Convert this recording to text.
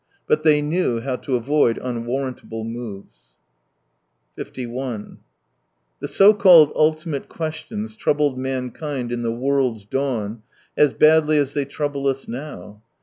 But they knew how to av^d unwarrantably moves. 51 The so called ultimate question? troubled mankind in the world's dawn as badly as they trouble us now.